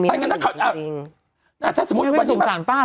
ไม่สงสารป้าหรอกป้า